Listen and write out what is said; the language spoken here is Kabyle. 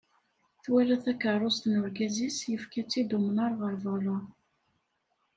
Twala takerrust n urgaz-is yefka-tt-id umnar ɣer berra.